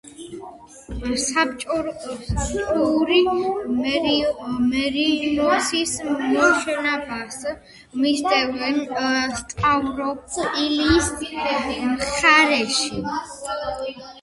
საბჭოური მერინოსის მოშენებას მისდევენ სტავროპოლის მხარეში, როსტოვისა და ასტრახანის ოლქებში, დასავლეთ ციმბირში, ყაზახეთში.